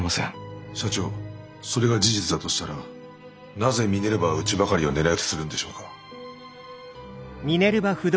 社長それが事実だとしたらなぜミネルヴァはうちばかりを狙い撃ちするんでしょうか？